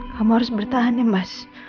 kamu harus bertahan ya mas